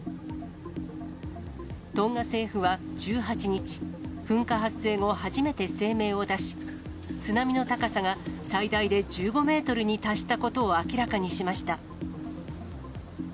トンガ政府は１８日、噴火発生後、初めて声明を出し、津波の高さが最大で１５メートルに達したことを明らかにしました。